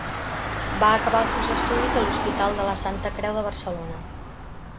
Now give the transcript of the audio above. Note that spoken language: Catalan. Va acabar els seus estudis a l'Hospital de la Santa Creu de Barcelona.